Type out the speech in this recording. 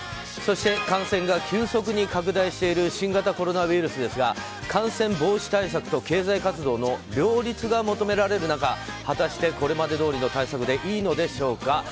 そして感染が急速に拡大している新型コロナウイルスですが感染防止対策と経済活動の両立が求められる中果たしてこれまでどおりの対策でいいのでしょうか。